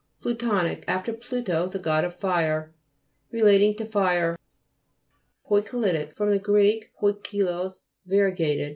PLUTONIC After Pluto, the god of fire. Relating to fire. POIKILI'TIC fr. gr. poikilos, varie gated.